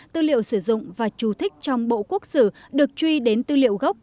tư liệu sử dụng và trù thích trong bộ quốc sử được truy đến tư liệu gốc